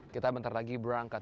kita bentar lagi berangkat